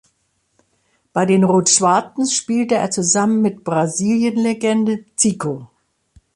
Bei den "Rot-Schwarzen" spielte er zusammen mit Brasilien-Legende Zico.